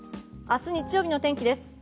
明日日曜日の天気です。